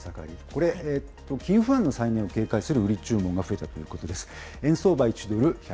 これ、金融不安の再燃を警戒する売り注文の動きが増えたということです。